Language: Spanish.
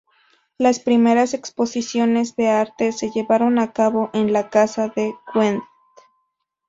Las primeras exposiciones de arte se llevaron a cabo en la casa de Wendt.